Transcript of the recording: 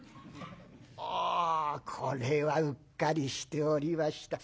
「ああこれはうっかりしておりました。